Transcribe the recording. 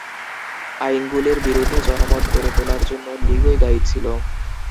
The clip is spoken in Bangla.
আইনগুলির বিরুদ্ধে জনমত গড়ে তোলার জন্য লীগই দায়ী ছিল।